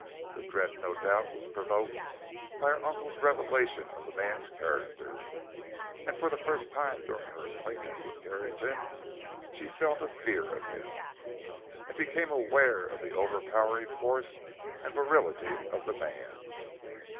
The dread, no doubt, was provoked by her uncle's revelation of the man's character; and, for the first time during her acquaintance with Carrington, she felt a fear of him, and became aware of the overpowering force and virility of the man.